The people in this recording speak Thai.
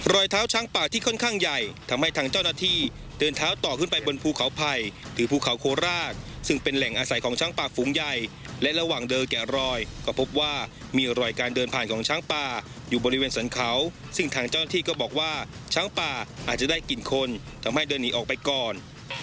รอยเท้าช้างป่าที่ค่อนข้างใหญ่ทำให้ทางเจ้าหน้าที่เดินเท้าต่อขึ้นไปบนภูเขาไผ่หรือภูเขาโคราชซึ่งเป็นแหล่งอาศัยของช้างป่าฝูงใหญ่และระหว่างเดินแกะรอยก็พบว่ามีรอยการเดินผ่านของช้างป่าอยู่บริเวณสรรเขาซึ่งทางเจ้าหน้าที่ก็บอกว่าช้างป่าอาจจะได้กลิ่นคนทำให้เดินหนีออกไปก่อน